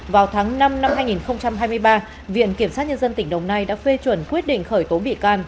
vào tháng năm năm hai nghìn hai mươi ba viện kiểm sát nhân dân tỉnh đồng nai đã phê chuẩn quyết định khởi tố bị can